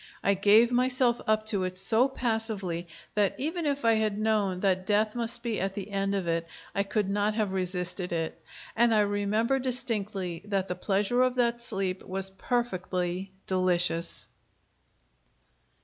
I gave myself up to it so passively, that even if I had known that death must be the end of it I could not have resisted it; and I remember distinctly that the pleasure of that sleep was perfectly delicious.